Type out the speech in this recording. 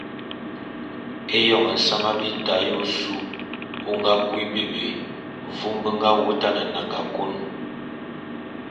Éyoñ nsamba bita ya ôsu ô nga kui bebé vôm be nga wô’ôtan nnanga kôn.